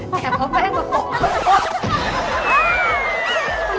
แต่เพราะแม่งก็โกรธ